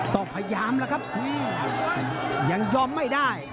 ต้องพยายามแล้วครับยังยอมไม่ได้